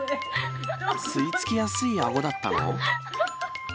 吸い付きやすいあごだったの？